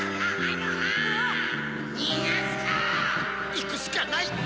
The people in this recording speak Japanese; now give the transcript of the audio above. ・いくしかない！